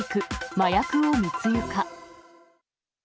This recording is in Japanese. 麻薬を密輸か。